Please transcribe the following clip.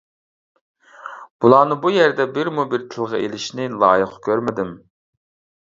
بۇلارنى بۇ يەردە بىرمۇبىر تىلغا ئېلىشنى لايىق كۆرمىدىم.